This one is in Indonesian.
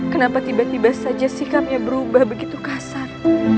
kenapa tiba tiba saja sikapnya berubah begitu kasar